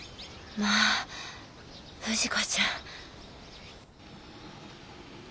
まあ富士子ちゃん。